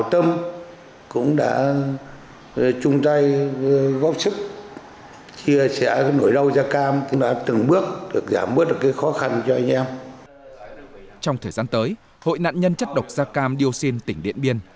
trong thời gian tới hội nạn nhân chất độc da cam điệu xin tỉnh điện biên